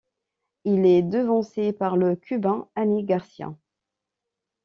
Il est devancé par le Cubain Anier Garcia.